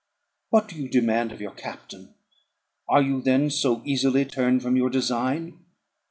What do you demand of your captain? Are you then so easily turned from your design?